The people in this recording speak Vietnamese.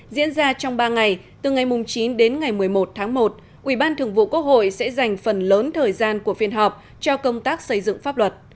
diễn ra trong ba ngày từ ngày chín đến ngày một mươi một tháng một ủy ban thường vụ quốc hội sẽ dành phần lớn thời gian của phiên họp cho công tác xây dựng pháp luật